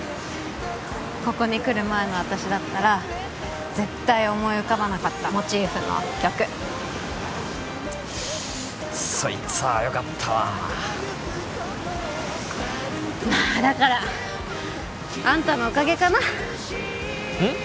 ここに来る前の私だったら絶対思い浮かばなかったモチーフの曲そいつはよかったわまあだからあんたのおかげかなうん？